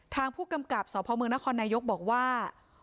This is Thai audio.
ทางผู้กำกับสพเมืองนครนายกบอกว่า